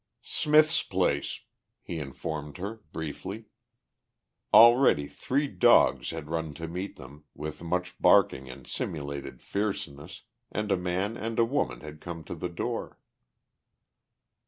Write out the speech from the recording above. "Smith's place," he informed her briefly. Already three dogs had run to meet them, with much barking and simulated fierceness, and a man and a woman had come to the door.